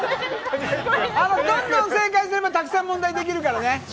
どんどん正解すればたくさん問題できるからね。